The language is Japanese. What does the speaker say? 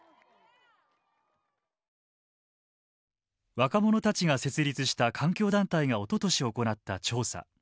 若者たちが設立した環境団体がおととし行った調査。